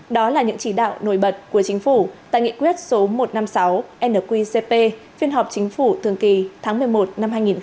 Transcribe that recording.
đó là những chỉ đạo nổi bật của chính phủ tại nghị quyết số một trăm năm mươi sáu nqcp phiên họp chính phủ thường kỳ tháng một mươi một năm hai nghìn một mươi chín